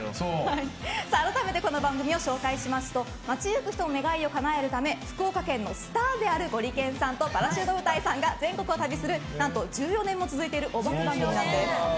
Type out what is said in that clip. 改めてこの番組を紹介しますと街行く人の願いをかなえるため福岡県のスターであるゴリけんさんとパラシュート部隊さんが全国を旅する１４年も続いているお化け番組なんです。